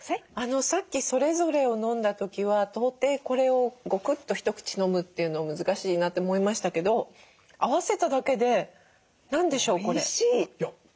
さっきそれぞれを飲んだ時は到底これをゴクッと一口飲むっていうの難しいなと思いましたけど合わせただけで何でしょうこれ。